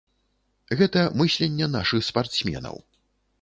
Гэта мысленне нашых спартсменаў.